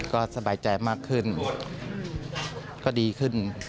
ก็สบายใจมากขึ้นก็ดีขึ้น